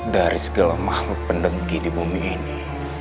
dari segala makhluk pendengki di bumi ini